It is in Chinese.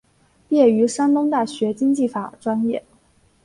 毕业于山东大学经济法专业。